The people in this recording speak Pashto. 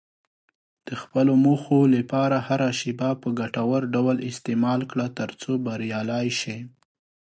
د خپلو موخو لپاره هره شېبه په ګټور ډول استعمال کړه، ترڅو بریالی شې.